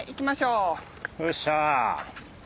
うっしゃ。